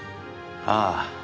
ああ。